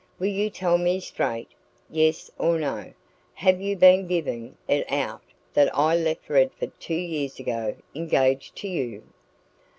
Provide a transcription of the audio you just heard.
Will you tell me straight yes or no have you been giving it out that I left Redford two years ago engaged to you?"